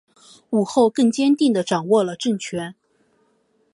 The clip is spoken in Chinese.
武后更坚定地掌握了政权。